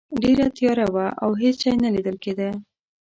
ډیره تیاره وه او هیڅ شی نه لیدل کیده.